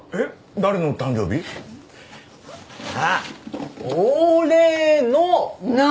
誰の誕生日？ほら！